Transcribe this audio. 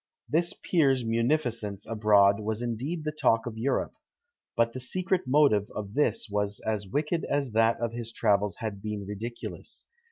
This peer's munificence abroad was indeed the talk of Europe; but the secret motive of this was as wicked as that of his travels had been ridiculous.